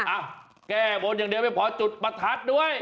อ่ะแก้บนอย่างเดียวไม่พอจุดประทัดด้วย